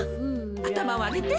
あたまをあげて。